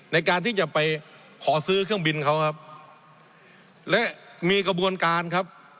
ในการที่จะไปขอซื้อเครื่องบินเขาครับและมีกระบวนการครับ